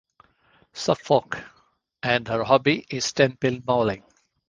Suffolk, and her hobby is tenpin bowling.